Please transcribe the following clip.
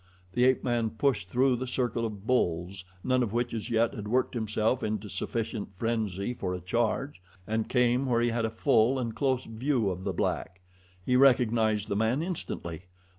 The ape man pushed through the circle of bulls, none of which as yet had worked himself into sufficient frenzy for a charge, and came where he had a full and close view of the black. He recognized the man instantly.